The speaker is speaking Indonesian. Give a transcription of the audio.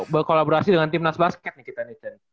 berkolaborasi dengan tim nas basket nih kita nih cen